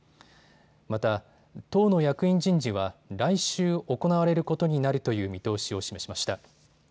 また党の役員人事は来週行われることになるという見通しを示しました。